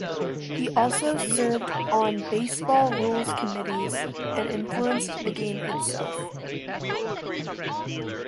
He also served on baseball rules committees and influenced the game itself.